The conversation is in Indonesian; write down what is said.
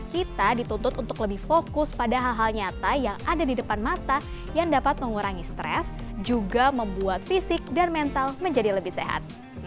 padahal hal hal nyata yang ada di depan mata yang dapat mengurangi stres juga membuat fisik dan mental menjadi lebih sehat